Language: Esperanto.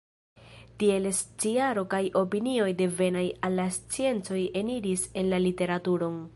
Tiele sciaro kaj opinioj devenaj el la sciencoj eniris en la literaturon.